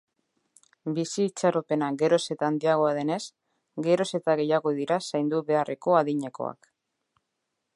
Bizi-itxaropena geroz eta handiagoa denez, geroz eta gehiago dira zaindu beharreko adinekoak.